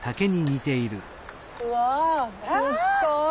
うわすっごい。